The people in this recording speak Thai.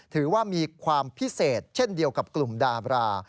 ถือว่ามีความพิเศษเช่นเดียวกับกลุ่มดาบรา